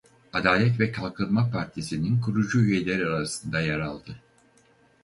Adalet ve Kalkınma Partisi'nin kurucu üyeleri arasında yer aldı.